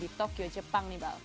di tokyo jepang nih pak